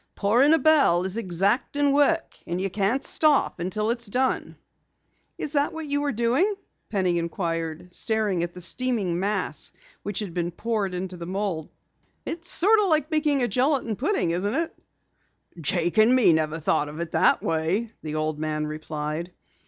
"Pouring a bell is exacting work and you can't stop until it's done." "Is that what you were doing?" Penny inquired, staring at the steaming mass which had been poured into the mold. "It's sort of like making a gelatin pudding, isn't it?" "Jake and me never thought of it that way," the old man replied.